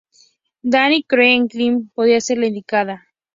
Danny cree que Kim podría ser "la indicada".